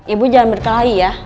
ibu jangan berkelahi ya